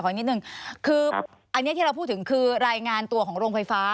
คืออันนี้ที่เราพูดถึงคือรายงานตัวของโรงไฟฟ้า